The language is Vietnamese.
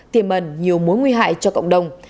tiềm ẩn nhiều mối nguy hại cho cộng đồng